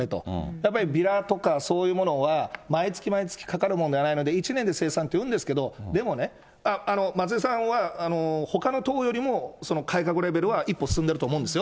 やっぱりビラとか、そういうものは、毎月毎月かかるもんではないんで、１年で精算っていうんですけど、でもね、松井さんはほかの党よりも改革レベルは一歩進んでると思うんですよ。